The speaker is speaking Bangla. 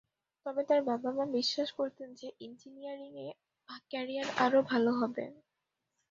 তবে তার বাবা-মা বিশ্বাস করতেন যে ইঞ্জিনিয়ারিংয়ে ক্যারিয়ার আরও ভাল হবে।